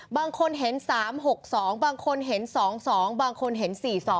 บางคนเห็น๓๖๒บางคนเห็น๒๒บางคนเห็น๔๒